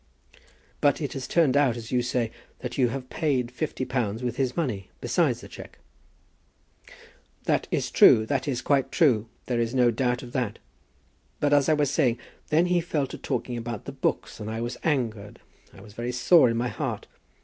"But it has turned out, as you say, that you have paid fifty pounds with his money, besides the cheque." "That is true; that is quite true. There is no doubt of that. But as I was saying, then he fell to talking about the books, and I was angered. I was very sore in my heart.